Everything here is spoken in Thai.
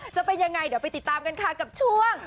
จะเป็นยังไงเดี๋ยวไปติดตามกันค่ะกับช่วง